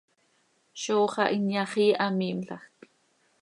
Zó xah inyaxii hamiimlajc.